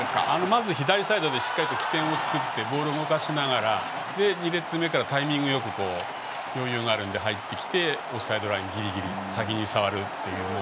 まず左サイドで起点を作ってボールを動かしながら２列目からタイミングよく余裕があるので入ってきてオフサイドラインギリギリ先に触るという。